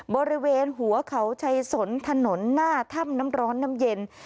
บริเวณหัวเขาชัยสนถนนหน้าถ้ำน้ำร้อนน้ำเย็น